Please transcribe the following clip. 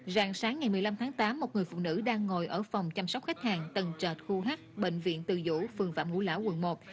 rạng sáng ngày một mươi năm tháng tám một người phụ nữ đang ngồi ở phòng chăm sóc khách hàng tầng trệt khu h bệnh viện từ dũ phường phạm ngũ lão quận một